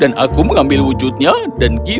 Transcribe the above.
dan aku mengambil wujudnya dan berubah menjadi ogger